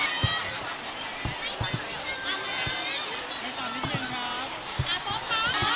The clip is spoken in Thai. อาปุ๊บครับ